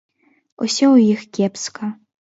Усё ў іх кепска.